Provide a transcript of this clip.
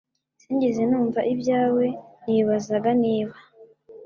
Sinigeze numva ibyawe Nibazaga niba